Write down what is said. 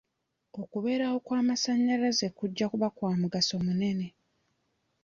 Okubeerawo kw'amasannyalaze kujja kuba kwa mugaso munene.